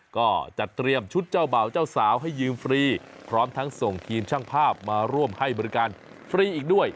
ก็จัดเตรียมชุดเจ้าบ่าวเจ้าสาวให้ยืมฟรีพร้อมทั้งส่งทีมช่างภาพมาร่วมให้บริการฟรีอีกด้วย